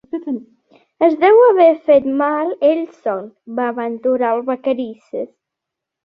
Es deu haver fet mal ell sol —va aventurar el Vacarisses.